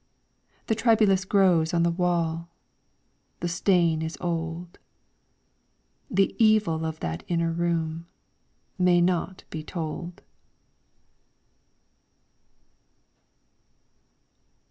The tribulus grows on the wall. The stain is old. The evil of that inner room May not be told.